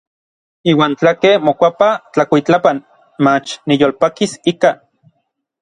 Iuan tlakej mokuapa tlakuitlapan, mach niyolpakis ika.